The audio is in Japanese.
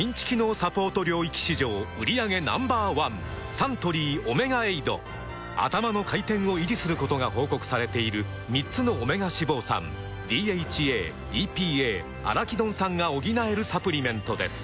サントリー「オメガエイド」「アタマの回転」を維持することが報告されている３つのオメガ脂肪酸ＤＨＡ・ＥＰＡ・アラキドン酸が補えるサプリメントです